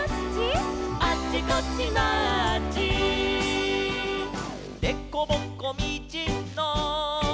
「あっちこっちマーチ」「でこぼこみちの」